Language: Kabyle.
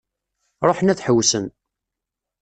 Ruḥen ad ḥewwsen.